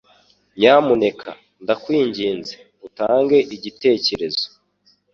Nyamuneka ndakwinginze utange igitekerezo.